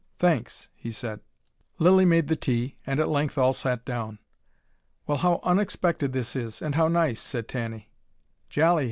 "Thanks," he said. Lilly made the tea, and at length all sat down. "Well how unexpected this is and how nice," said Tanny. "Jolly eh?"